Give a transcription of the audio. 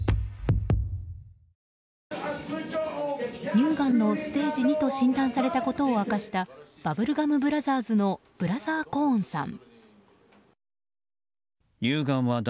乳がんのステージ２と診断されたことを明かしたバブルガム・ブラザーズのブラザー・コーンさん。